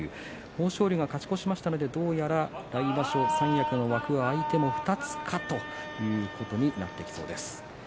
豊昇龍が勝ち越しましたので来場所、三役の枠が空いても２つか、ということになってきそうです。